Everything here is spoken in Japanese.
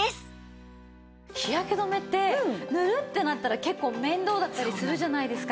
日焼け止めって塗るってなったら結構面倒だったりするじゃないですか。